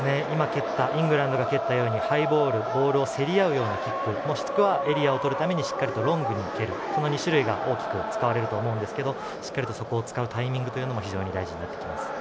イングランドが蹴ったようにハイボール、ボールを競り合うキックもしくはロングにけるこの２種類が大きく使われると思うんですがしっかりそこを使うタイミングが非常に大事になってきます。